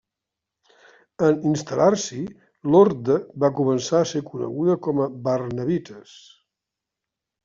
En instal·lar-s'hi, l'orde va començar a ser coneguda com a barnabites.